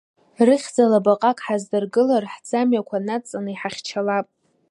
Рыхьӡала баҟак ҳаздыргылар ҳӡамҩақәа надҵаны иҳахьчалап.